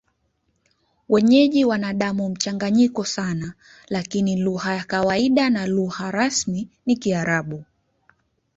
Wenyeji wana damu mchanganyiko sana, lakini lugha ya kawaida na lugha rasmi ni Kiarabu.